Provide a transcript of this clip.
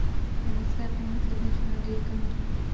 د موسکا قیمت له برېښنا ډېر کم دی.